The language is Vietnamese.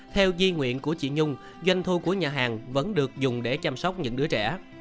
theo di nguyện của chị nhung doanh thu của nhà hàng vẫn được dùng để chăm sóc những đứa trẻ